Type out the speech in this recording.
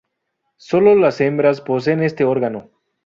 Sólo las hembras poseen este órgano.